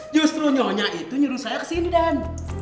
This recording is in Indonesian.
justru nyonya itu nyuruh saya ke sini den